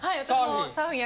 サーフィン。